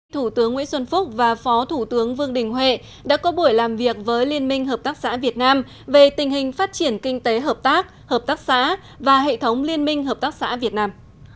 thủ tướng nguyễn xuân phúc và phó thủ tướng vương đình huệ đã có buổi làm việc với liên minh hợp tác xã việt nam về tình hình phát triển kinh tế hợp tác hợp tác xã và hệ thống liên minh hợp tác xã việt nam